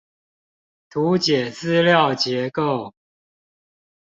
圖解資料結構